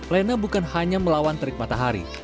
lena bukan hanya melawan terik matahari